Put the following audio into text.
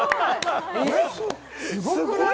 すごくない？